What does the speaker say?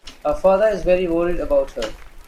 Her father is very worried about her.